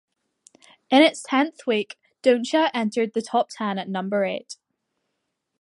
In its tenth week, "Don't Cha" entered the top ten at number eight.